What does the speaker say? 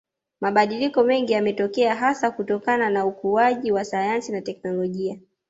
Mabadiliko mengi yametokea hasa kutokana na ukuaji wa sayansi na technolojia